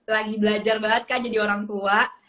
lagi belajar banget kak jadi orang tua